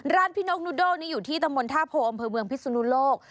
ร้านพี่นกนูดเดิลนี่อยู่ที่ตะมนต์ท่าโพอำเภอเมืองพิสุนุโลก